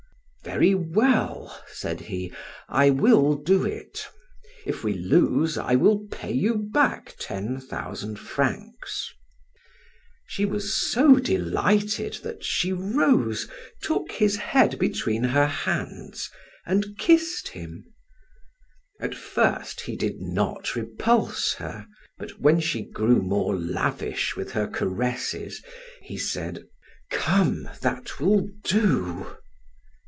"Very well," said he, "I will do it. If we lose I will pay you back ten thousand francs." She was so delighted that she rose, took his head between her hands, and kissed him. At first he did not repulse her, but when she grew more lavish with her caresses, he said: "Come, that will do."